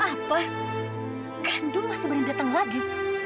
apa gandung masih mau datang lagi